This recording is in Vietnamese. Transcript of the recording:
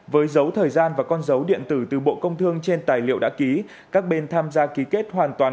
với dấu thời gian và con dấu điện tử từ bộ công thương trên tài liệu đã ký các bên tham gia ký kết hoàn toàn